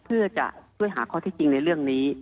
เพื่อจะช่วยหาข้อที่จริงในเรื่องนี้